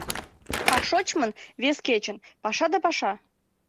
А шочмын, вес кечын, паша да паша.